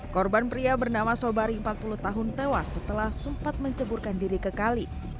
korban pria bernama sobari empat puluh tahun tewas setelah sempat menceburkan diri ke kali